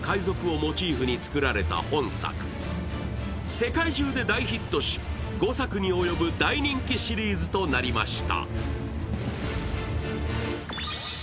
世界中で大ヒットし５作に及ぶ大人気シリーズとなりました。